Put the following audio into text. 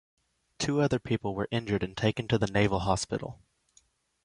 Two other people were injured and taken to the naval hospital.